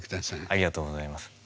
ありがとうございます。